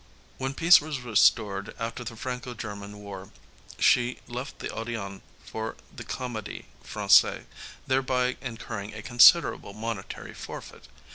When peace was restored after the Franco German War she left the Odéon for the Comédie Franįaise, thereby incurring a considerable monetary forfeit.